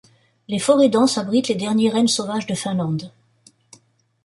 Les forêts denses abritent les derniers rennes sauvages de Finlande.